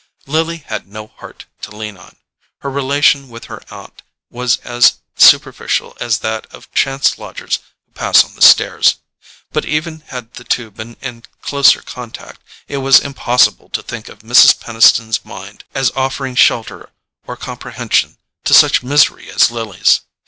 Lily had no heart to lean on. Her relation with her aunt was as superficial as that of chance lodgers who pass on the stairs. But even had the two been in closer contact, it was impossible to think of Mrs. Peniston's mind as offering shelter or comprehension to such misery as Lily's.